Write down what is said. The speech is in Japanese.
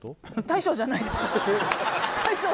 大将じゃないの？